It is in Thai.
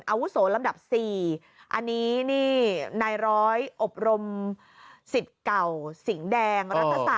อาวุโสลำดับ๔อันนี้นี่นายร้อยอบรมสิทธิ์เก่าสิงห์แดงรัฐศาส